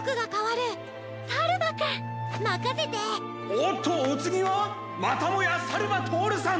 おっとおつぎはまたもやさるばとおるさん！